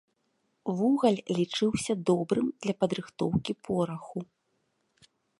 Вугаль лічыўся добрым для падрыхтоўкі пораху.